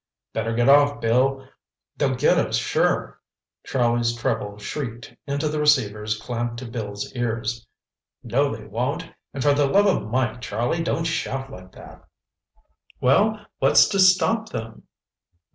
"Better get off, Bill! They'll get us sure!" Charlie's treble shrieked into the receivers clamped to Bill's ears. "No, they won't! And for the love of Mike, Charlie, don't shout like that!" "Well, what's to stop them?"